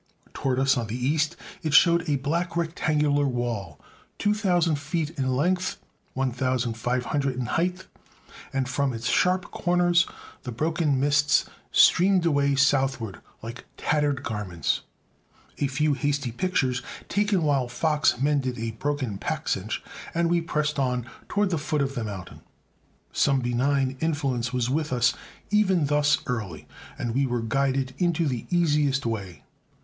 Toward us, on the east, it showed a black rectangular wall 2,000 feet in length, 1,500 in height, and from its sharp corners the broken mists streamed away southward like tattered garments. A few hasty pictures, taken while Fox mended a broken pack cinch, and we pressed on toward the foot of the mountain. Some benign influence was with us even thus early, and we were guided into the easiest way.